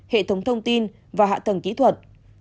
hệ thống thông tin và hạ tầng kỹ thuật